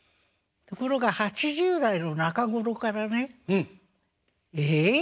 ところが８０代の中頃からねええ？